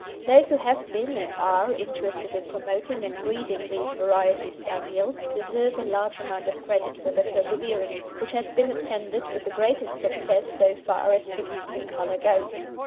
Those who have been, and are, interested in promoting and breeding these variety Spaniels deserve a large amount of credit for their perseverance, which has been attended with the greatest success so far as producing colour goes.